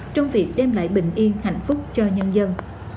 trong việc đem lại bình yên hạnh phúc cho nhân dân